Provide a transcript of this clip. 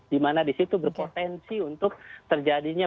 dimana disitu berpotensi untuk terjadinya